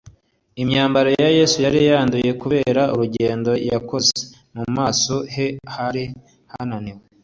imyambaro ya yesu yari yanduye kubera urugendo yakoze; mu maso he hari hananiwe,